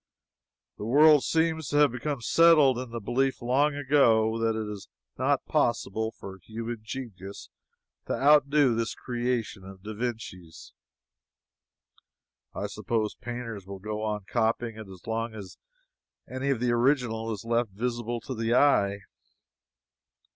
The world seems to have become settled in the belief, long ago, that it is not possible for human genius to outdo this creation of da Vinci's. I suppose painters will go on copying it as long as any of the original is left visible to the eye.